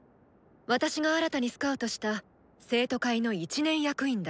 私が新たに勧誘した生徒会の１年役員だ。